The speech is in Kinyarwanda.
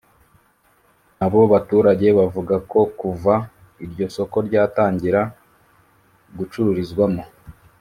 Abo baturage bavuga ko kuva iryo soko ryatangira gucururizwamo